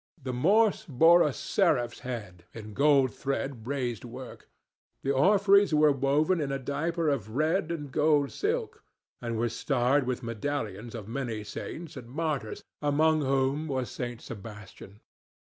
The morse bore a seraph's head in gold thread raised work. The orphreys were woven in a diaper of red and gold silk, and were starred with medallions of many saints and martyrs, among whom was St. Sebastian.